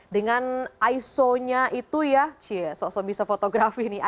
dengan iso nya itu ya cheers sosok bisa foto grafi nih